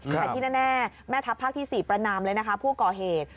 แต่ที่แน่แม่ทัพภาคที่๔ประนามเลยนะคะผู้ก่อเหตุ